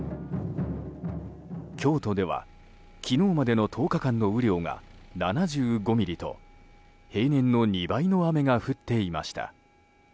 京都では昨日までの１０日間の雨量が７５ミリと平年の２倍の雨が降っていました。